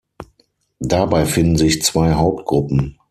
Dabei finden sich zwei Hauptgruppen.